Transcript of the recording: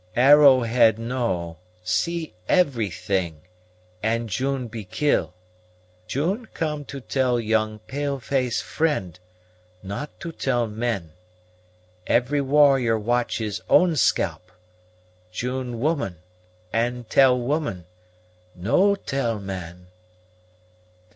"Arrowhead know, see everything, and June be kill. June come to tell young pale face friend, not to tell men. Every warrior watch his own scalp. June woman, and tell woman; no tell men."